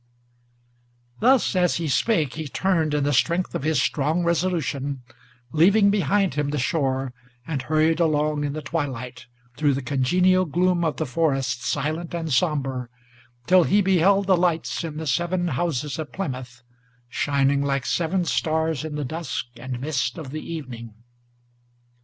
Thus as he spake, he turned, in the strength of his strong resolution, Leaving behind him the shore, and hurried along in the twilight, Through the congenial gloom of the forest silent and sombre, Till he beheld the lights in the seven houses of Plymouth, Shining like seven stars in the dusk and mist of the evening.